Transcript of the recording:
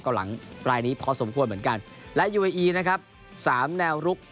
หลังรายนี้พอสมควรเหมือนกันและยูเออีนะครับสามแนวลุก